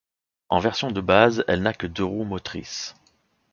En version de base elle n'a que deux roues motrices.